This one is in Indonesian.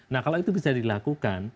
nah kalau itu bisa dilakukan